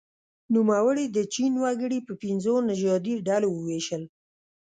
نوموړي د چین وګړي په پنځو نژادي ډلو وویشل.